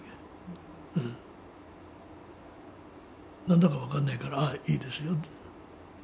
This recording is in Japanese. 何だか分かんないからいいですよって。